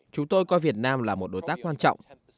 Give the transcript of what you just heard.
chúng tôi coi việt nam là một đối tác quan trọng